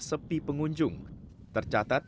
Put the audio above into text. sepi pengunjung tercatat